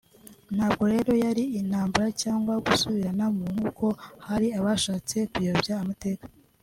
Ntabwo rero yari intambara cyangwa gusubiranamo nk’uko hari abashatse kuyobya amateka